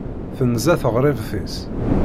Tenza teɣribt-is.